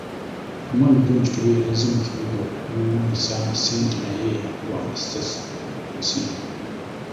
Omwami John Kittobbe eyali azze mu kibuga okuvungisa ssente naye yakubwa essasi mu nsigo.